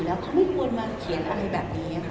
เขาไม่ควรมาเขียนอะไรแบบนี้